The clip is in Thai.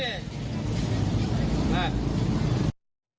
เสือเซอร์มิ้งตัวเน่